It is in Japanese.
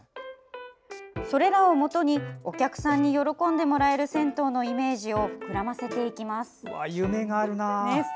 それらを元にお客さんに喜んでもらえる銭湯のイメージを膨らませていきます。